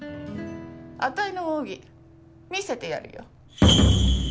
あたいの奥義見せてやるよ。